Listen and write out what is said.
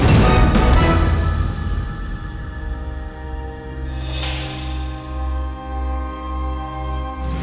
kalian mau ngapain nih